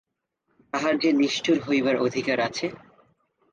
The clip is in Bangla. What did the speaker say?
তাহার যে নিষ্ঠুর হইবার অধিকার আছে।